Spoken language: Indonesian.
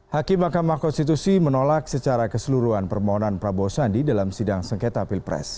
hakim mahkamah konstitusi menolak secara keseluruhan permohonan prabowo sandi dalam sidang sengketa pilpres